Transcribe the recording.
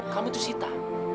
kamu itu sita